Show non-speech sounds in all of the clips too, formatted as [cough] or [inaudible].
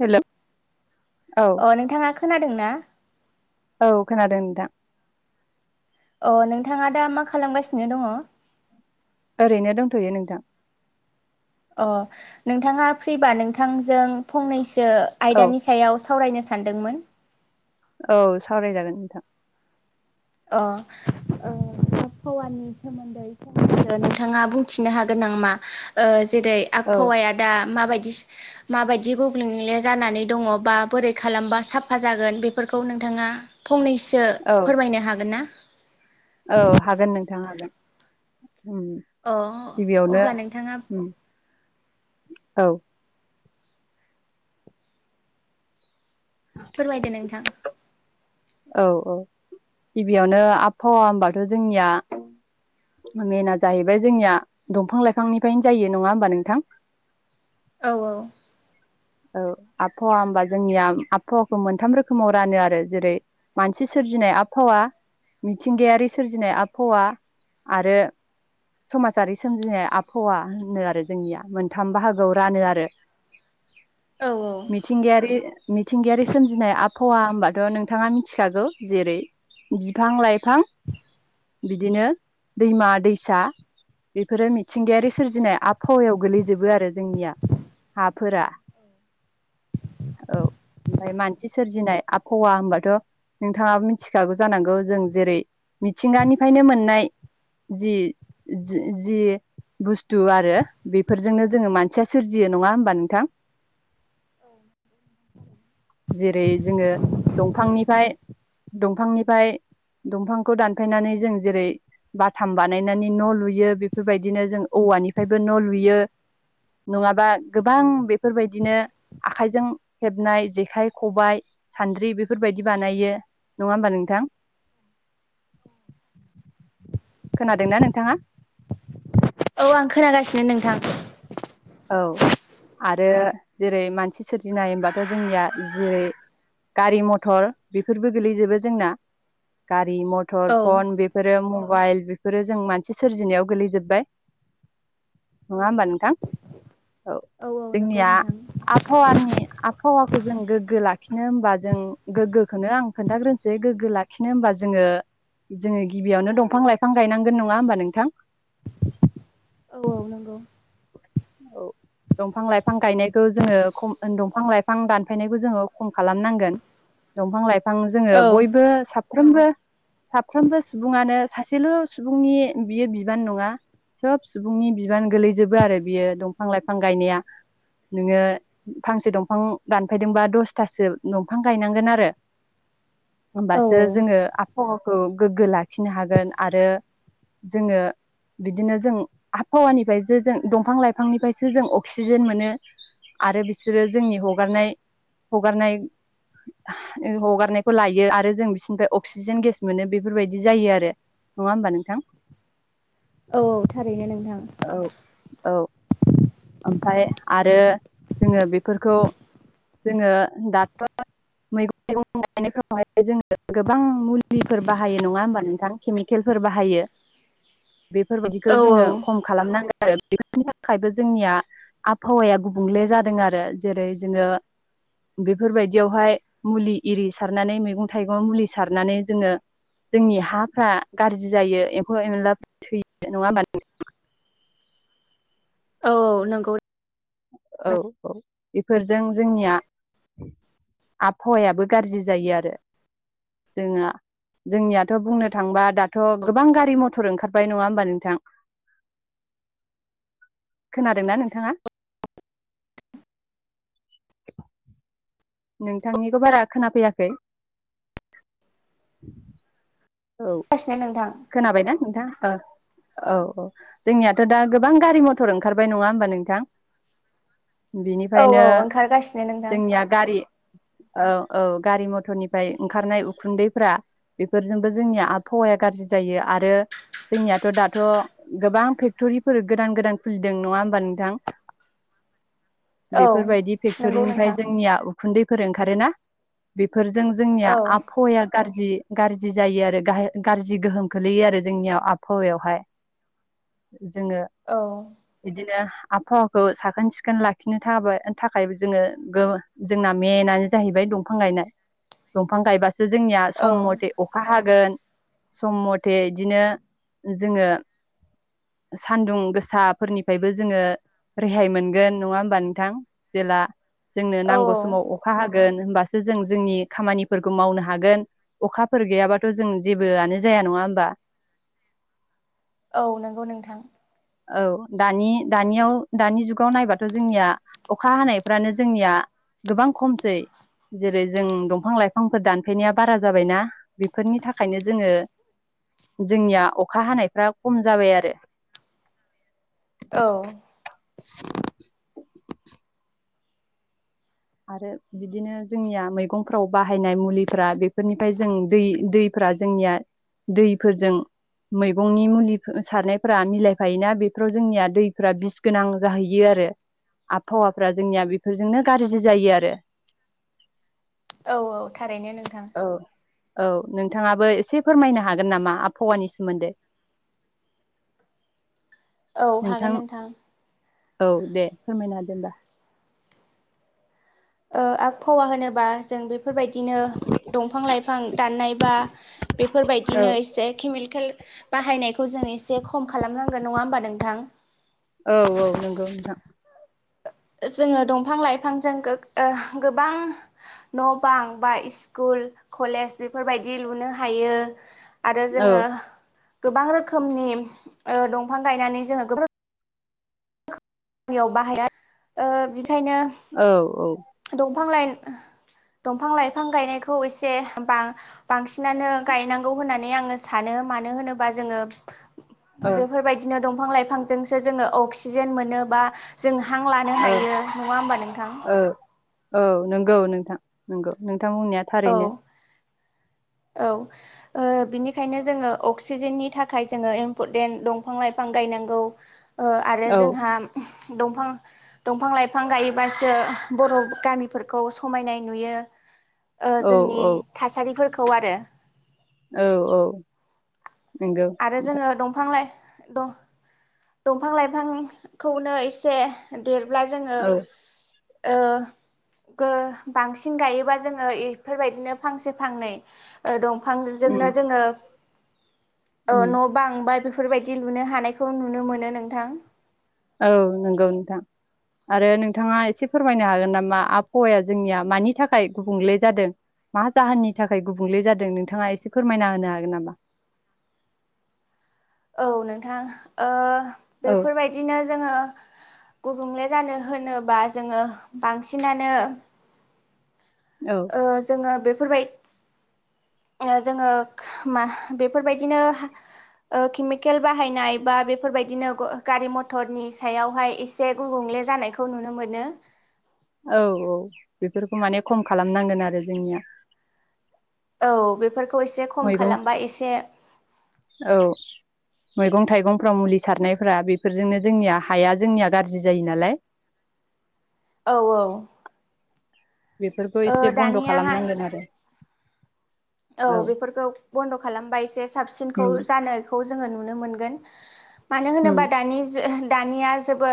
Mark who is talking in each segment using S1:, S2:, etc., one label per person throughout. S1: Hello
S2: अ नोंथाङा खोनादों ना?
S1: औ खोनादों नोंथां।
S2: अ नोंथाङा दा मा खालामगासिनो दङ?
S1: ओरैनो दंथ'यो नोंथां।
S2: अ नोंथाङा फ्रिबा नोंथांजों फंनैसो जो
S1: औ
S2: आयदानि सायाव सावरायनो सान सान्दोंमोन।
S1: औ सावरायजागोन नोंथां
S2: अ ओ फौवानि सोमोन्दै सोमोन्दो नोंथाङा बुंथिनो हागोन नामा ओ जेरै
S1: औ
S2: आबहावाया दा माबायदि स माबायदि गोब्लुंले जानानै दङ' बा बोरै खालामबा साफा जागोन बेफोरखौ नोंथाङा फंनैसो
S1: औ
S2: फोरमायनो हाग ना
S1: औ हागोन नोंथां हागोन उम
S2: अ
S1: गिबियावनो
S2: अब्ला नोंथाङा
S1: उम औ
S2: फोरमायदो नोंथां
S1: औ औ गिबियावनो आबहावा होमबाथ' जोंनिया मेना जाहैबाय जोंनिया दंफां -लाइफांनिफ्रायनो जायो नङा होमबा नोंथां
S2: औ- औ
S1: औ आबहावा होमबा जोंनिया आबहावाखौ मोनथाम रोखोमाव रानो आरो जेरै मानसि सोरजिनाय आबहावा मिथिंगायारि सोरजिनाय आबहावा आरो समाजारि सोमजिनाय आबहावा होनो आरो जोंनिया मोनथाम बाहागोआव रानो आरो
S2: औ औ
S1: मिथिंगायारि मिथिंगायारि सोमजिनाय आब हावा होमबाथ' नोंथाङा मिथिग खागौ जेरै बिफां- लाइफां बिदिनो दैमा -दैसा बिफोरो मिथिंगायारि सोरजिनाय आबहावायाव गोलै जोबो आरो जोंनिया हाफोरा औ ओमफाय मानसि सोरजिनाय आबहावा होमबाथ' नोंथाङाबो मिथिखागौ जानांगौ जों जेरै मिथिंगानिफायनो मोननाय जि जि जि बुस्थु आरो बेफोरजोंनो जोङो मानसिया सोरजियो नङा होमबा नोंथां?
S2: औ
S1: जेरै जोङो दंफांनिफाय दंफांनिफाय दंफांखौ दानफायनानै जों जेरै बाथाम बानायनानै न' लुयो बेफोरबायदिनो जों औवानिफायबो न' लुयो नङाबा गोबां बेफोरबायदिनो आखाइजों हेबनाय जेखाइ खबाइ सान्द्रि बेफोरबायदि बानायो नङा होमबा नोंथां खोनादोंना नोंथाङा?
S2: औ आं खोनागासिनो नोंथां
S1: औ आरो जेरै मानसि सोरजिनाय होमबाथ' जोंनिया जे गारि मथर बेफोरबो गोलैजोबो जोंना गा रि मथर
S2: औ।
S1: फन बेफोरो म बाइल बेफोरो जों मानसि सोरजिनायाव गोलैजोबबाय
S2: औ
S1: नङा होमबा नोंथां औ
S2: औ नंगौ
S1: जोंनिया
S2: नोंथां
S1: आबहावानि आबहावा खौ जों गोग्गो लाखिनो होमबा जों गोग्गोखोनो आं खोन्थाग्रोनोसै गोग्गो लाखिनो होमबा जोङो जोङो गिबियावनो दंफां -लाइफां गायनांगोन नङा होमबा नोंथां
S2: औ -औ नंगौ
S1: औ दंफां- लाइफां गायनायखौ जोङो खम दंफां- लाइफां दानफायनायखौ जोङो खम खालामनांगोन दंफां- लाइ फां जोङो
S2: औ।
S1: बयबो साब फ्रोमबो साफ्रोमबो सुबुङानो सासेल' सुबुंनि बियो बिबान नङा सोब सुबुंनि बिबान गोलैजोबो आरो बियो दंफां- लाइफां गायनाया नोङो फांसे दंफां दानफैदोंबा दसथासो दफां गायनांगोन आरो
S2: औ
S1: होमबासो जोङो आप [unintelligible] हावाखौ गोग्गो लाखिनो हागोन आरो जोङो बिदिनो जों आबहावानिफायसो जों दंफां -लाइफांनिफ्रायसो जों अक्सिजेन मोनो आरो बिसोरो जोंनि हगारनाय हगारनाय हा ओ हगारनायखौ लायो आरो जों बिसोरनिफाय अक्सिजेन गेस मोनो बेफोरबायदि जायो आरो नङा होमबा नोंथां
S2: औ- औ थारैनो नोंथां
S1: औ औ। ओमफाय आरो जोङो बेफोरखौ जोङो दाथ' मैगं थाइगंनायावहाय जोङो गोबां मुलिफोर बाहायो नङा होमबा नोंथां केमिकेलफोर बाहायो। बेफोरबायदिखौ
S2: औ औ
S1: जोङो खम खालामनांगोन। आरो बेफोरनि थाखायबो ज। जोंनि आबहावाया गुबुंले जादों आरो जेरै जोङो बेफोरबायदियावहाय मुलि आररि सारनानै मैगं थाइगं मुलि सारनानै जोङो जोंनि हाफ्रा गाज्रि जायो एम्फौ एनला थैयो नङा होमबा
S2: औ नंगौ
S1: औ औ बेफोरजों जोंनिया आबहावायाबो गाज्रि जायो आरो जोङो जोंनियाथ' बुंनो थांबा दाथ' गोबां गारि मथर ओंखारबाय नङा होमबा नोंथां खोनादोंना नोंथाङा औ नोंथांनिखौ बारा खोनाफैयाखै
S2: बास ने नद
S1: खोनाबायनाा नोंथाङा औ औ जोंनियाथ' दा गोबां गारि मथर ओंखारबाय नङा होमबा नोंथां
S2: औ औ
S1: बिनिफ्रायनो
S2: ओंखारगासिनो नोंथां।
S1: जोंनिया गारि औ औ गारि मथरनिफ्राय ओंखारनाय उखुन्दैफ्रा बेफोरजोंबो जोंनिया आबहावाया गाज्रि जायो आरो जोंनियाथ' दाथ' गोबां फेक्टरिफोर गोदान गोदान खुलिदों नङा होमबा नोंथां
S2: औ
S1: बेफोरबायदि
S2: नंगौ
S1: फेक्ट'रिनिफ्राय
S2: नोंथां
S1: जोंनिया खुन्दैफोर ओंखारोना फोरफोरजों जोंनिया
S2: औ
S1: आबहावाया गाज्रि गाज्रि जायो आरो गाज्रि गोहोम गोलैयो आरो जोंनियाव आबहावायावहाय जोङो बिदिनो आबहावाखौ साखोन सिखोन लाखिनो थाबानो थाखाय जोङो जोंना मेनानो जाहैबाय दंफां गायनाय दंफां गायबासो जोंनिया
S2: औ
S1: सम मथे अखा हाग ोन समथ जाथे बिदिनो जोङो सान्दुं गोसाफोरनिफ्रायबो जोङो रेहाय मोनगोन नङा होमबा नोंथां जेला जोंनो
S2: औ।
S1: नांगौ समाव अखा हाग होमबासो जों जोंनि खामानिफोरखौ मावनो हागोन अखाफोर गैयाबाथ' जों जेबोआनो जाया नङा बा
S2: औ नंगौ नोंथां
S1: औ दानि दानियाव दानि जुगाव नायबाथ' जोंनिया अखा हानायफ्रानो जोंनिया गोबां खमसै जेरै जों दंफां लाइफांफोर दानफैनाया बारा जाबायना बेफोरनि थाखायनो जोङो जोंनिया अखा हानायफ्रा खम जाबाय आरो
S2: औ
S1: औ आरो बिदिनो जोंनिया मैगंफ्राव बाहायनाय मुलिफ बेफोरनिफ्राय जों दै दैफ जोंनिया दैफोरजों मैगंनि मुलि सारनायफोरा मिलायफायोना बेफोराव जोंनिया दैफ बिस गोनां जाहैयो आरो आबहावाफ्रा जोंनिया बेफोरजोंनो गाज्रि ब जायो आरो
S2: औ औ थारैनो नोंथां
S1: औ औ नोंथाङाबो एसे फोरमायनो हागोन नामा आबहावानि सोमोन्दै
S2: औ हागोन नोंथां
S1: औ दे फोरमायनो हदो होनबा
S2: आबहावा होनोबा जों बे बेफोरबायदिनो दंफां लाइफां दाननाय बा
S1: औ
S2: बेफोरबायदिनो एसे केमिकेल बाहायनायखौ जों एसे खम खालामनांगोन नङा होमबा नोंथां?
S1: औ औ नंगौ नोंथां
S2: जोङो दंफां लाइफांजों गोबां न बां बा इस्कुल कलेज बेफोरबायदि लुनो हायो। आरो
S1: औ
S2: जोङो गोबां रोखोमनि दंफां गायनानै जोङो गोबां गामियाव बाहाया ओ बिदि
S1: औ औ।
S2: दंफां लाइ दंफां लाइफां गायनायखौ एसे बां- बांसिनानो गायनांगौ होननानै आङो सानो मानो होनोबा जोङो
S1: ओ
S2: बेफोरबायदिनो दंफां लाइफां जोंसो जोङो अगसिजेन मोनो बा जों हां लानो
S1: औ
S2: हायो नङा होमबा नोंथां?
S1: औ नंगौ नोंथां। नंगौ नों थां बुंनाया
S2: औ
S1: थारैनो
S2: औ ओ बिनिखायनो जोङो अक्सिजेननि थाखाय जोङो इम्परटेन्ट दंफां लाइफां गायनांगौ ओ आरो
S1: औ
S2: जोंहा दंफां दंफां लाइफां गायोबासो बर गामिफोरखौ समायनाय नुयो। ओ
S1: औ
S2: जोंनि
S1: औ
S2: थासारिफोर खौ आरो
S1: औ औ। नंगौ
S2: आरो
S1: नोंथां
S2: जोङो दंफां लाइफां द दंफां लाइफांखौनो एसे देर अब्ला जोङो
S1: औ
S2: ओ गो बांसिन गायोबा जोङो बेफोरबायदिनो फांसे फांनै दंफां
S1: उम
S2: दफांजोंनो जोङो ओ
S1: उम
S2: न बां बाय फोरखो बेफोरबायदि लुनो हानायखौ नु नुनो मोनो नोंथां।
S1: औ नंगौ नोंथां आरो नोंथाङा एसे फोरमायनो हागोन नामा? आबहावाया जोंनिया मानि थाखाय गुबुंले जादों? मा जाहोननि थाखाय गुबुंले जादों नोंथाङा एसे फोरमायना होनो हागोन नामा?
S2: औ नोंथां ओ
S1: औ
S2: बेफोरबायदिनो जोङो गुबुंले जानो होनोबा जोङो बांसिनानो
S1: औ
S2: ओ जोङो बेफो बेफोर बाय जोङो मा बेफोरबायदिनो केमिकेल बाहायनाय बा बेफोरबायदिनो गारि मथरनि सायावहाय एसे गुबुंले जानायखौ नुनो मोनो।
S1: औ औ बेफोरखौ माने खम खालामनांगोन आरो जोंनिया
S2: औ बेफोर बेफोरखौ एसे खम
S1: मैगं
S2: खालामबा एसे
S1: औ मैगं थाइगंफ्राव मुलि सारनायफ्रा बेफोरजोंनो जोंनिया हाया जोंनिया गाज्रि जायो नालाय।
S2: औ औ।
S1: बेफोरखो
S2: ओ
S1: एसे बन्द
S2: दानियाहाय
S1: खालामनांगोन आरो।
S2: औ बेफोरखौ बन्द खालामबा एसे साबसिनखौ
S1: उम
S2: जानायखौ जोंङो नुनो मोनगोन। मानो
S1: उम
S2: होनोबा दानि जो दानिया जोबो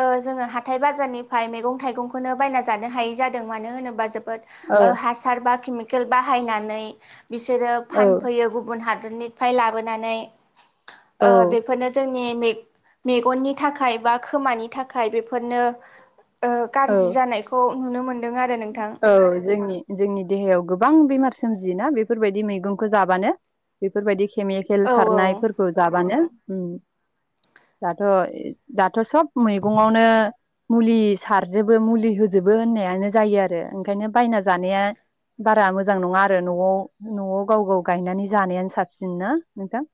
S2: ओ जोंङो हाथाय बाजारनिफाय मैगं थाइगंखौनो बायना जानो हायि जादों मानो होनोबा जोब बोद
S1: औ
S2: ओ हासार बा केमिकेल बाहायनानै बिसोरो
S1: औ
S2: फानफैयो गुबुन हा हादरनिफाय लाबोनानै
S1: औ
S2: ओ बेफोरनो जों ने मे मेगननि थाखाय बा खोमानि थाखाय बेफोरनो ओ
S1: औ
S2: गाज्रि जानायखौ नुनो मोन
S1: औ जोंनि जोंनि देहायाव गोबां बेमार सोमजियोना बेफोरबायदि मैगंखौ जाबानो बेफोरबायदि केमिकेल
S2: औ औ
S1: सारनायफोरखौ जाबानो उम्म दाथ दाथ सब मैगंङावनो मुलि सारजोबो मुलि होजोबो होननायानो जायो आरो ओंखायनो बायना जानाया बारा मोजां नङा आरो न'आव न'आव गाव गाव गायनानै जानायानो साबसिन ना नोंथां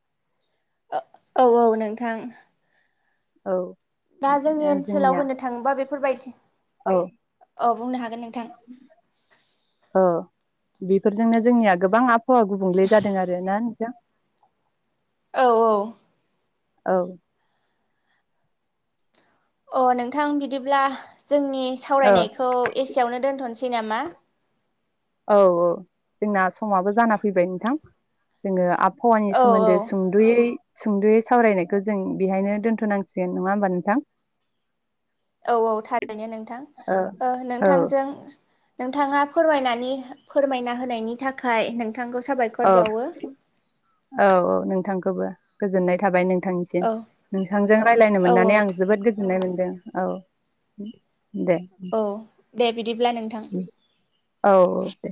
S2: औ औ नोंथां।
S1: औ।
S2: दा जोंनि
S1: ओंखायनो
S2: ओनसोलाव
S1: जोंनिया
S2: होननो थांबा बेफोरबायदि
S1: औ
S2: अ बुंनो हा नोंथां।
S1: ओ बेफोरजोंनो जोंनिया गोबां हावा गुबुंले जादों आरो ना। नोंथां
S2: औ औ।
S1: औ।
S2: अ नोंथां बिदिब्ला जोंनि
S1: औ
S2: सावरायनायखौ एसेयावनो दोनथ सै नामा?
S1: औ औ जोंना समाबो जाना फैबाय नोंथां जोंङो आब हौवानि
S2: औ औ
S1: सोमोन्दै सुंदयै सुंद'यै सावरायनायखौ जों बेहायनो दोनथ'नांसिगोन नंङा होमबा नोंथां?
S2: औ औ थारैनो नोंथां
S1: औ
S2: ओ
S1: औ
S2: नोंथांजों नोंथांङा फोरमायनानै फोरमायना होनायनि थाखाय नों
S1: औ औ औ नोंथांखौबो। गोजोननाय थाबाय नों थां निसिम
S2: औ
S1: नोंसांजों रायज्लायनो
S2: औ
S1: मोननानै
S2: औ
S1: आं जोबोद गोजोननाय मोनद दे औ दे
S2: औ दे बिदिब्ला नोंथां।
S1: औ दे।